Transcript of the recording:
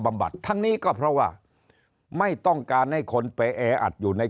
บัดทั้งนี้ก็เพราะว่าไม่ต้องการให้คนไปแออัดอยู่ใน